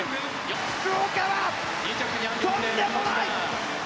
福岡は、とんでもない！